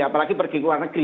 apalagi pergi ke luar negeri